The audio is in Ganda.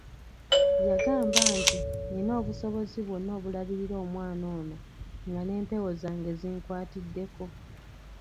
Yabagamba nti, "Nnina obusobozi bwonna obulabirira omwana ono nga n'empewo zange zinkwatiddeko."